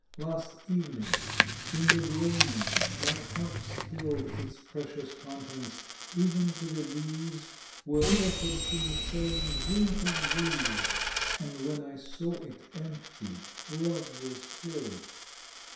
Last evening, in the gloaming, that cup spilled Its precious contents. Even to the lees Were offered to me, saying, "Drink of these!" And when I saw it empty, Love was killed.